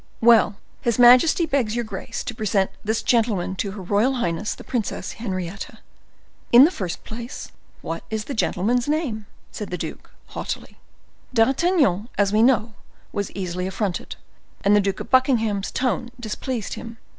"Well, his majesty begs your grace to present this gentleman to her royal highness the Princess Henrietta." "In the first place, what is the gentleman's name?" said the duke, haughtily. D'Artagnan, as we know, was easily affronted, and the Duke of Buckingham's tone displeased him.